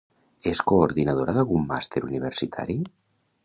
És coordinadora d'algun màster universitari?